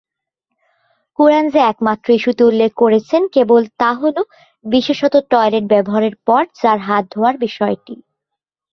কুরআন যে একমাত্র ইস্যুতে উল্লেখ করেছে কেবল তা হ'ল বিশেষত টয়লেট ব্যবহারের পরে যার হাত ধোয়ার বিষয়টি।